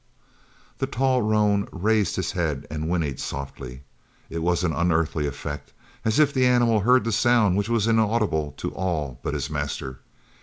The tall roan raised his head and whinnied softly. It was an unearthly effect as if the animal heard the sound which was inaudible to all but his master.